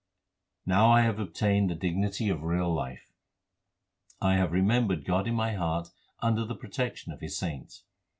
Now I have obtained the dignity of real life. I have remembered God in my heart under the protection of the saints.